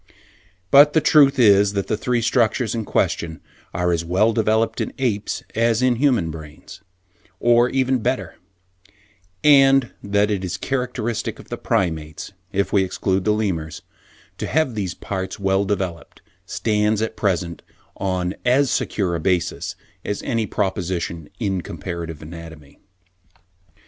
But the truth that the three structures in question are as well developed in apes' as in human brains, or even better; and that it is characteristic of all the Primates (if we exclude the Lemurs) to have these parts well developed, stands at present on as secure a basis as any proposition in comparative anatomy.